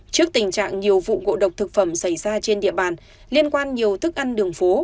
trước tình trạng nhiều vụ ngộ độc thực phẩm xảy ra trên địa bàn liên quan nhiều thức ăn đường phố